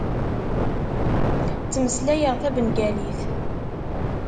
Ttmeslayeɣ tabengalit.